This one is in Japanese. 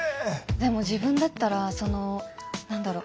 でも自分だったらその何だろう。